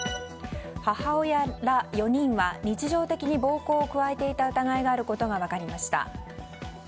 母親ら４人は日常的に暴行を加えていた疑いがあることが分かりました。